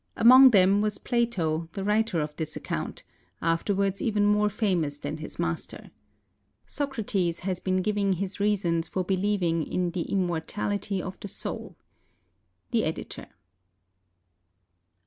Among them was Plato, the writer of this accoimt, afterwards even more famous than his master. Socrates has been giving his reasons for believing in the immortality of the soul. The Editor.